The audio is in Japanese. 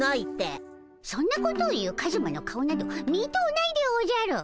そんなことを言うカズマの顔など見とうないでおじゃる。